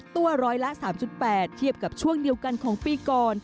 ตัวร้อยละ๓๘เทียบกับช่วงเดียวกันของปีก่อน